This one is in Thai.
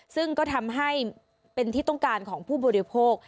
ซึ่งก็ทำให้เป็นที่ต้องการของผู้บริโภค